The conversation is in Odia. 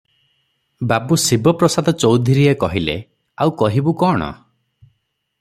ବାବୁ ଶିବ ପ୍ରସାଦ ଚୌଧୁରୀଏ କହିଲେ, "ଆଉ କହିବୁ କଣ?